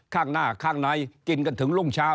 ข้างหน้าข้างในกินกันถึงรุ่งเช้า